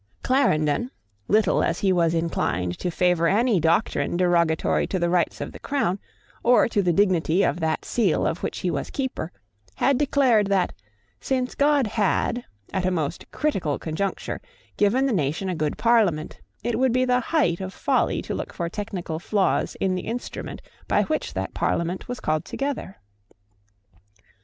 Clarendon, little as he was inclined to favour any doctrine derogatory to the rights of the Crown, or to the dignity of that seal of which he was keeper, had declared that, since God had, at a most critical conjuncture, given the nation a good Parliament, it would be the height of folly to look for technical flaws in the instrument by which that Parliament was called together.